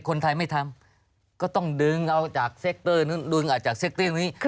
คนไทยไม่ทำต้องดึงออกจากกรุฬนี้